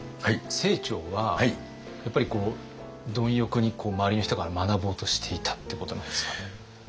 清張はやっぱり貪欲に周りの人から学ぼうとしていたってことなんですかね？